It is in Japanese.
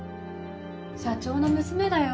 ・社長の娘だよ？